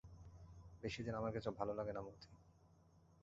বেশিদিন আমার কিছু ভালো লাগে না মতি।